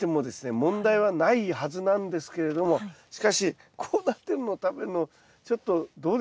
問題はないはずなんですけれどもしかしこうなってるの食べるのちょっとどうですか？